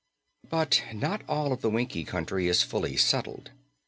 But not all of the Winkie Country is fully settled.